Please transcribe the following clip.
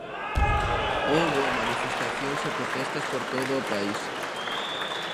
Houbo manifestacións e protestas por todo o país.